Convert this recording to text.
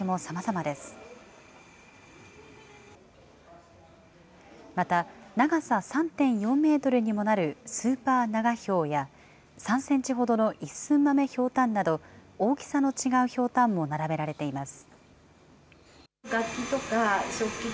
また、長さ３．４メートルにもなるスーパー長ひょうや、３センチほどのイッスンマメヒョウタンなど、大きさの違うひょうたんも並べられています。